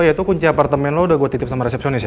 ya itu kunci apartemen lo udah gue titip sama resepsionis ya